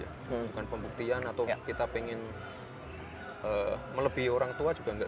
bukan pembuktian atau kita ingin melebihi orang tua juga enggak